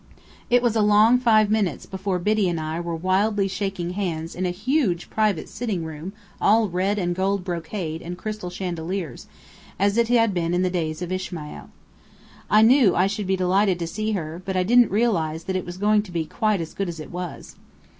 It was a long five minutes before Biddy and I were wildly shaking hands in a huge private sitting room all red and gold brocade and crystal chandeliers, as it had been in the days of Ismaïl. I knew I should be delighted to see her, but I didn't realize that it was going to be quite as good as it was.